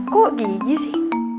kok gigi sih